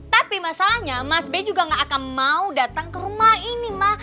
tapi masalahnya mas be juga enggak akan mau datang ke rumah ini ma